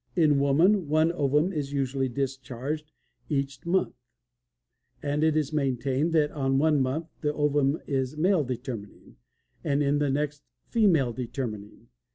In woman one ovum is usually discharged each month, and it is maintained that on one month the ovum is male determining, and in the next, female determining.